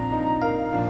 terima kasih pak